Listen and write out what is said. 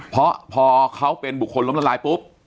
เพราะพอเขาเป็นบุคคลล้มละลายปุ๊บ